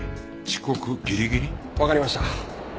遅刻ギリギリ？わかりました。